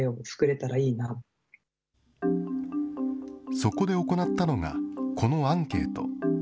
そこで行ったのがこのアンケート。